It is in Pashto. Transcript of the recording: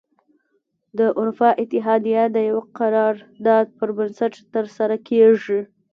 د اروپا اتحادیه د یوه قرار داد پر بنسټ تره سره کیږي.